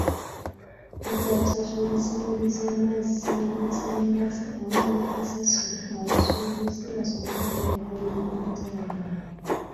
Bajja kusasula ensimbi z'amazzi n'amasannyalaze awamu ne Kasasiro abasuubuzi, basobole okweyagalira mu butale bwabwe.